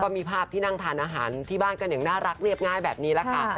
มีภาพที่นั่งทานอาหารที่บ้านกันอย่างน่ารักเรียบง่ายแบบนี้แหละค่ะ